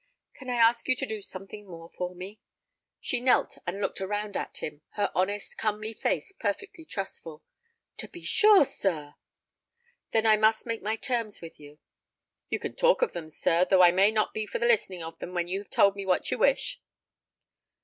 "Can I ask you to do something more for me?" She knelt and looked around at him, her honest, comely face perfectly trustful. "To be sure, sir." "Then I must make my terms with you." "You can talk of them, sir, though I may not be for listening to them when you have told me what you wish."